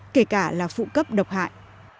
kể cả là phụ cấp độc hại